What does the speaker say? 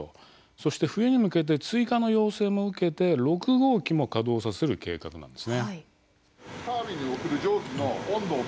そして冬に向けて追加の要請も受けて６号機も稼働させる計画なんですね。